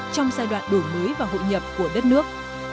trong giai đoạn đổi mới và hội nhập của đất nước